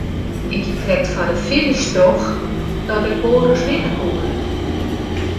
Ik hie krekt foar de finish troch dat ik wol ris winne koe.